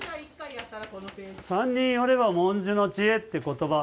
「三人寄れば文殊の知恵」って言葉